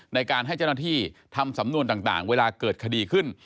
ในการให้เจ้าหน้าที่ทำสำนวนต่างเวลาเกิดคดีขึ้น